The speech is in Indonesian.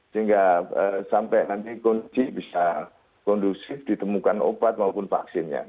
sehingga sampai nanti kunci bisa kondusif ditemukan obat maupun vaksinnya